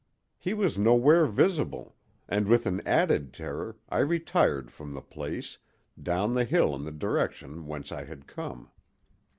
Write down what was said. He was nowhere visible, and with an added terror I retired from the place, down the hill in the direction whence I had come.